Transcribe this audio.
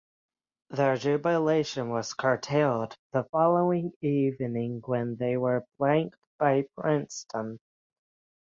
Their jubilation was curtailed the following evening when they were blanked by Princeton.